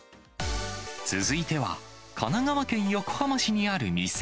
続いては、神奈川県横浜市にある店。